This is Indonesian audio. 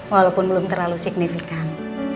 walaupun belum terlalu signifikan